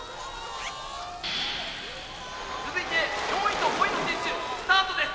「続いて４位と５位の選手スタートです！」。